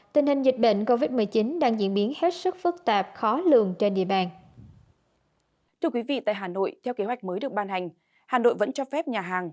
tình hình dịch bệnh covid một mươi chín đang diễn biến hết sức phức tạp khó lường trên địa bàn